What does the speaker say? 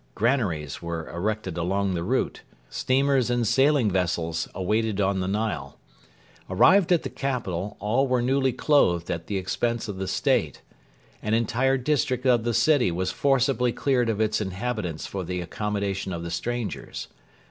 Granaries were erected along the route. Steamers and sailing vessels waited on the Nile. Arrived at the capital, all were newly clothed at the expense of the State. An entire district of the city was forcibly cleared of its inhabitants for the accommodation of the strangers.